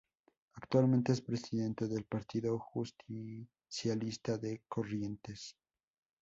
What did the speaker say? Actualmente es Presidente del Partido Justicialista de Corrientes.